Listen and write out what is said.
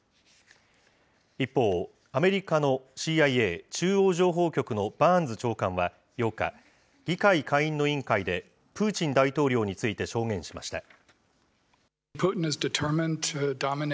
一方、アメリカのＣＩＡ・中央情報局のバーンズ長官は８日、議会下院の委員会で、プーチン大統領について証言しました。